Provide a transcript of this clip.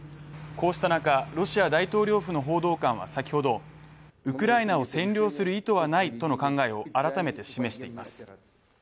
こうした中、ロシア大統領府の報道官は先ほど、ウクライナを占領する意図はないとの考えを改めて示しています。